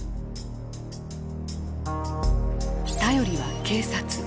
頼りは警察。